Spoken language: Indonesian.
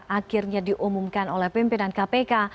akhirnya diumumkan oleh pimpinan kpk